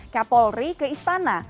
kapolri ke istana